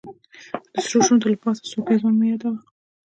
د سرو شونډو له پاسه سور پېزوان مه يادوه